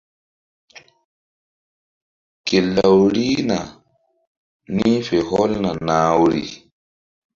Ke law rihna ni̧h fe hɔlna nah woyri.